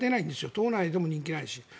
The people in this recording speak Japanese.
党内でも人気がない。